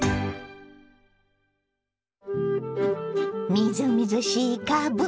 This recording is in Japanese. みずみずしいかぶ。